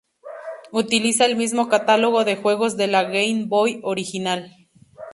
Utiliza el mismo catálogo de juegos de la Game Boy original.